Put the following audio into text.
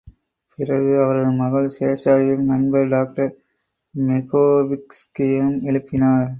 பிறகு அவரது மகள் சேஷாவையும், நண்பர் டாக்டர் மெகோவிட்ஸ்கியையும் எழுப்பினார்.